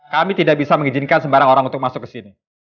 kami tidak bisa mengizinkan sembarang orang untuk masuk kesini